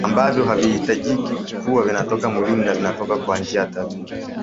e ambavyo havihitajiki huwa vinatoka mwilini na vinatoka kwa njia tatu